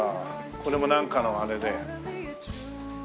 これもなんかのあれで。